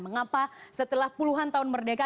mengapa setelah puluhan tahun merdeka